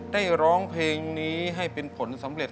ร้องเพลงนี้ให้เป็นผลสำเร็จ